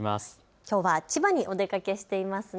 きょうは千葉にお出かけしていますね。